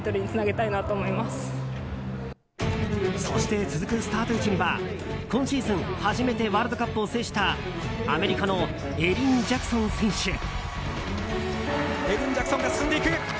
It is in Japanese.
そして続くスタート位置には今シーズン初めてワールドカップを制したアメリカのエリン・ジャクソン選手。